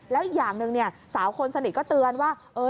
แล้วอีกอย่างหนึ่งสาวคนสนิทก็เตือนว่า